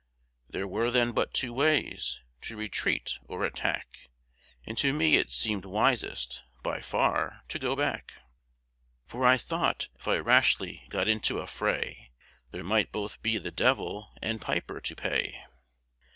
There were then but two ways, to retreat or attack, And to me it seem'd wisest, by far, to go back; For I thought, if I rashly got into a fray, There might both be the Devil and Piper to pay.